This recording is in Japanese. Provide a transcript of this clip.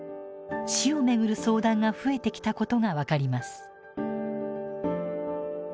死を巡る相談が増えてきたことが分かります。